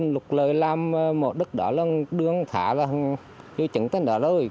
lục lợi làm một đất đỏ là đường thả là chưa chứng tên đó rồi